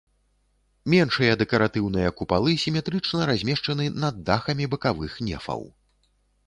Меншыя дэкаратыўныя купалы сіметрычна размешчаны над дахамі бакавых нефаў.